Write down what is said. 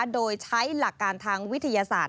โดยใช้หลักการทางวิทยาศาสตร์